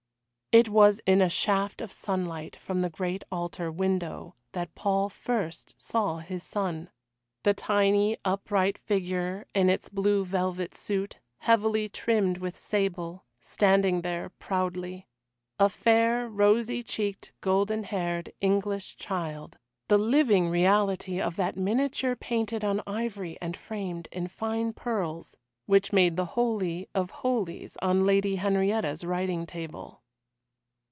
It was in a shaft of sunlight from the great altar window that Paul first saw his son. The tiny upright figure in its blue velvet suit, heavily trimmed with sable, standing there proudly. A fair, rosy cheeked, golden haired English child the living reality of that miniature painted on ivory and framed in fine pearls, which made the holy of holies on Lady Henrietta's writing table.